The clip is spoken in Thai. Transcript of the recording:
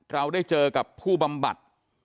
เราได้เจอกับผู้บำบัด